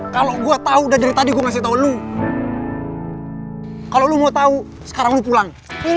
kalau gua tahu dari tadi gue kasih tahu lu kalau lu mau tahu sekarang lu pulang